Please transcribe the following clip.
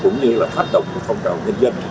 như là phát động phòng trọng nhân dân